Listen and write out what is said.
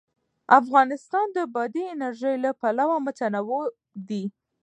افغانستان د بادي انرژي له پلوه متنوع دی.